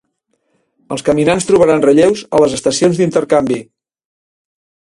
Els caminants trobaran relleus a les estacions d'intercanvi.